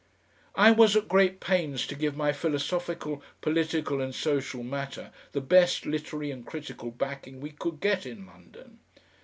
I was at great pains to give my philosophical, political, and social matter the best literary and critical backing we could get in London.